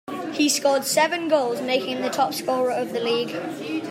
He scored seven goals, making him the top-scorer of the league.